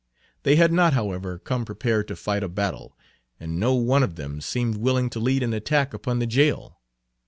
They had not however come prepared to fight a battle, and no one of them seemed willing to lead an attack upon the jail.